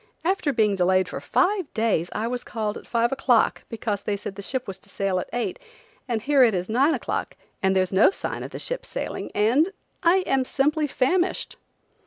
After being delayed for five days I was called at five o'clock because they said the ship was to sail at eight, and here it is nine o'clock and there's no sign of the ship sailing and–I am simply famished."